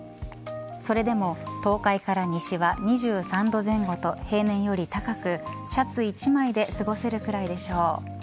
それでも東海から西は２３度前後と平年より高くシャツ１枚で過ごせるくらいでしょう。